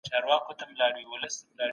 ګوره زما ګراني!